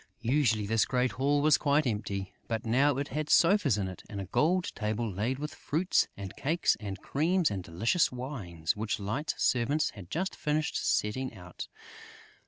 Usually, this great hall was quite empty; but now it had sofas in it and a gold table laid with fruits and cakes and creams and delicious wines, which Light's servants had just finished setting out.